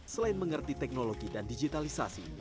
selain mengerti teknologi dan digitalisasi